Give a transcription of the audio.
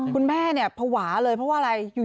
คุณแม่เนี่ยภาวะเลยเพราะว่าอะไรอยู่